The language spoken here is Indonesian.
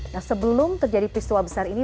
nah sebelum terjadi peristiwa besar ini